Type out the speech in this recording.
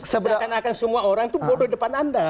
seakan akan semua orang itu bodoh depan anda